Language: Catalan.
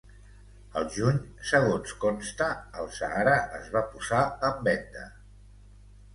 Al juny, segons consta, el Sahara es va posar en venda.